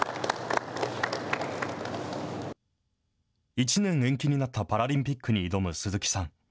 １年延期になったパラリンピックに挑む鈴木さん。